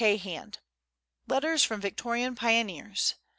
p 210 Letters from Victorian Pioneers.